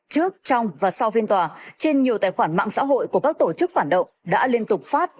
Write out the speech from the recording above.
trước trong và sau phiên tòa trên nhiều tài khoản mạng xã hội của các tổ chức phản động đã liên tục phát